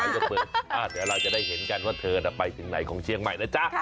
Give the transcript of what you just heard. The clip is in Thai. เดี๋ยวเราจะได้เห็นกันว่าเธอไปถึงไหนของเชียงใหม่นะจ๊ะ